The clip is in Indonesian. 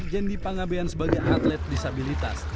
jendi pangabean sebagai atlet disabilitas